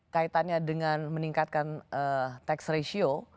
kaitannya dengan meningkatkan tax ratio